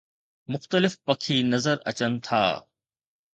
مختلف پکي نظر اچن ٿا